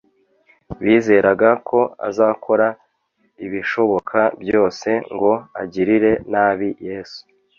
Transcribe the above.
bizeraga ko azakora ibishoboka byose ngo agirire nabi yesu